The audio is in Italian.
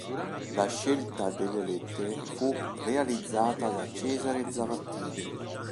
La scelta delle lettere fu realizzata da Cesare Zavattini.